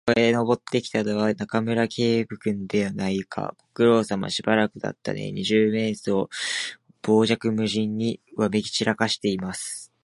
そこへ登ってきたのは、中村警部君じゃないか。ご苦労さま。しばらくだったねえ。二十面相は傍若無人にわめきちらしています。